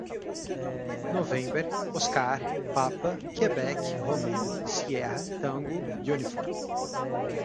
november, oscar, papa, quebec, romeo, sierra, tango, uniform